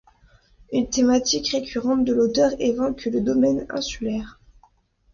Une thématique récurrente de l'auteur évoque le domaine insulaire.